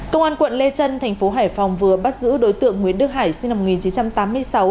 công an quận lê trân thành phố hải phòng vừa bắt giữ đối tượng nguyễn đức hải sinh năm một nghìn chín trăm tám mươi sáu